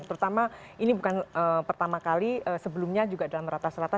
terutama ini bukan pertama kali sebelumnya juga dalam rata rata